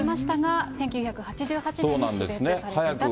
１９８８年に死別されていたと。